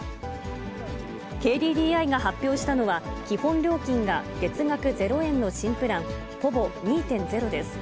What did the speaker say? ＫＤＤＩが発表したのは、基本料金が月額０円の新プランｐｏｖｏ２．０です。